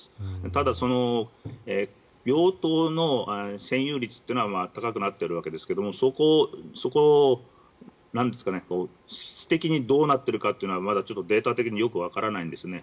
ただ、病棟の占有率は高くなっているわけですがそこを質的にどうなっているかというのはまだデータ的によくわからないんですね。